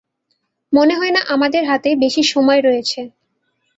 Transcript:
মনে হয় না আমাদের হাতে বেশি সময় রয়েছে।